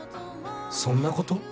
そんなこと？